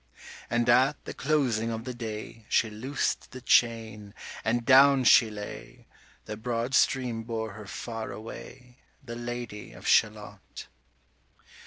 And at the closing of the day She loosed the chain, and down she lay; The broad stream bore her far away, The Lady of Shalott.